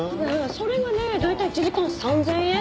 それがね大体１時間３０００円。